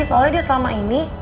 soalnya dia selama ini